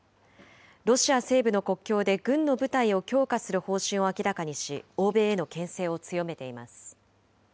ロシア西部の国境で軍の部隊を強化する方針を明らかにし、欧米へのけん制を強めています。